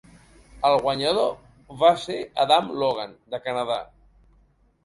El guanyador va ser Adam Logan, de Canadà.